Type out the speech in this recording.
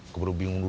keburu bingung banget